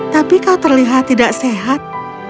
tapi kau terlihat tidak sehat